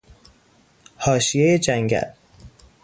حاشیهی جنگل